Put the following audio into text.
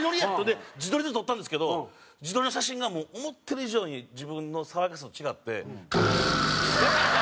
で自撮りで撮ったんですけど自撮りの写真が思ってる以上に自分の爽やかさと違って。